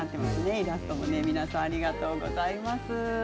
イラスト、皆さんありがとうございます。